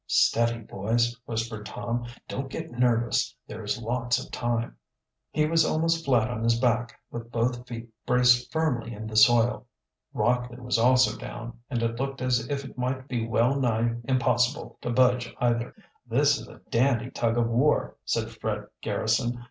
"Steady, boys!" whispered Tom. "Don't get nervous. There is lots of time." He was almost flat on his back, with both feet braced firmly in the soil. Rockley was also down, and it looked as if it might be well nigh impossible to budge either. "This is a dandy tug of war," said Fred Garrison.